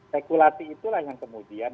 spekulasi itulah yang kemudian